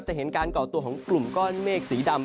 เห็นการก่อตัวของกลุ่มก้อนเมฆสีดำ